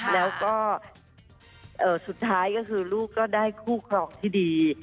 แล้วก็สุดท้ายก็คือลูกก็ได้คู่ครองที่ดี